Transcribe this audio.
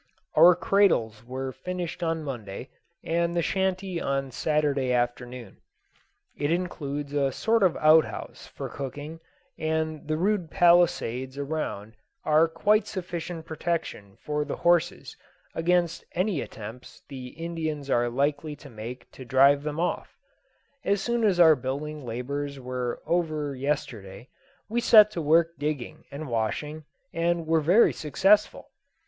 Our cradles were finished on Monday, and the shanty on Saturday afternoon. It includes a sort of outhouse for cooking, and the rude palisades around are quite sufficient protection for the horses against any attempts the Indians are likely to make to drive them off. As soon as our building labours were over yesterday, we set to work digging and washing, and were very successful.